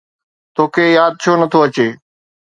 توکي ياد ڇو نٿو اچي؟